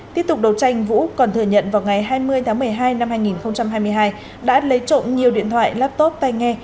tiếp tục đầu tranh vũ còn thừa nhận vào ngày hai mươi tháng một mươi hai năm hai nghìn hai mươi hai đã lấy trộm nhiều điện thoại laptop tay nghe